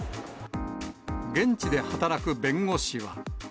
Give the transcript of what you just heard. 現地で働く弁護士は。